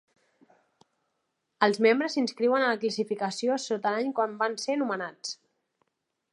Els membres s'inscriuen a la classificació sota l'any quan van ser nomenats.